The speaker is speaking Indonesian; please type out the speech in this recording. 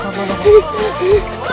konanta konanta konanta